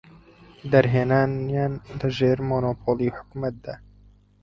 دەرهێنانیان لە ژێر مۆنۆپۆلی حکومەتدا.